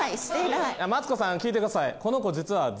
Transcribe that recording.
マツコさん聞いてください。